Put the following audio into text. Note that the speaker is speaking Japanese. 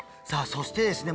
そしてですね